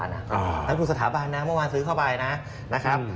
แล้วคุณสถาบันนะเมื่อวานซื้อเข้าไปนะครับ